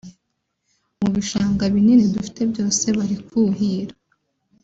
mu bishanga binini dufite byose bari kuhira